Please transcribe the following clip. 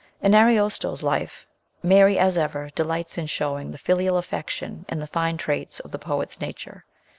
In Ariosto's life Mary, as ever, delights in showing the filial affection and fine traits of the poet's nature.